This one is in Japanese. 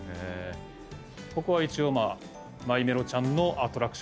ここは一応マイメロちゃんのアトラクションですね。